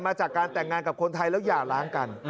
จากการแต่งงานกับคนไทยแล้วอย่าล้างกัน